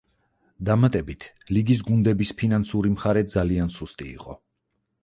დამატებით, ლიგის გუნდების ფინანსური მხარე ძალიან სუსტი იყო.